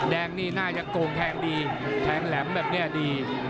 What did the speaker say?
แดงนี่น่าจะโกงแทงดีแทงแหลมแบบนี้ดี